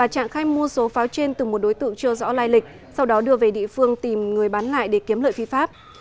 trạng khai mua số pháo trên từ một đối tượng chưa rõ lai lịch sau đó đưa về địa phương tìm người bán lại để kiếm lợi phi pháp